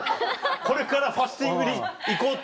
これからファスティングに行こうっていう。